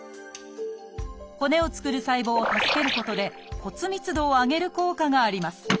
骨を作る細胞を助けることで骨密度を上げる効果があります